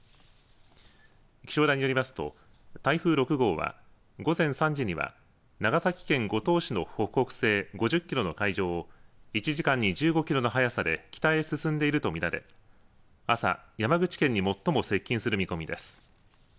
気象台によりますと台風６号は午前３時には長崎県五島市の北北西５０キロの海上を１時間に１５キロの速さで北へ進んでいると見られ朝、山口県に最も接近する見込みです。